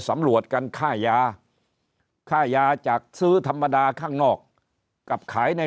สำรวจกันค่ายาค่ายาจากซื้อธรรมดาข้างนอกกับขายใน